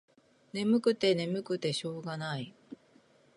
ねむくてねむくてしょうがない。